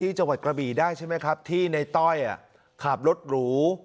จังหวัดกระบี่ได้ใช่ไหมครับที่ในต้อยขับรถหรู